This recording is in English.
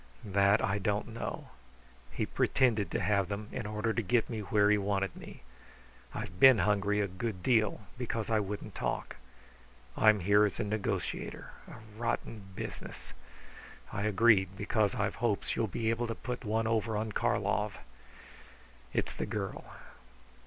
"That I don't know. He pretended to have them in order to get me where he wanted me. I've been hungry a good deal because I wouldn't talk. I'm here as a negotiator. A rotten business. I agreed because I've hopes you'll be able to put one over on Karlov. It's the girl."